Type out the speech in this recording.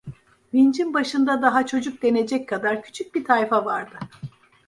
Vincin başında daha çocuk denecek kadar küçük bir tayfa vardı.